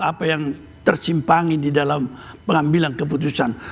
apa yang tersimpangi di dalam pengambilan keputusan